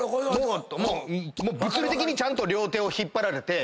もう物理的にちゃんと両手を引っ張られて。